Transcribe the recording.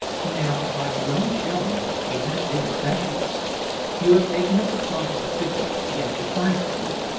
Now, by your own showing, you have been a specialist. You have taken up the cause of the people against the classes.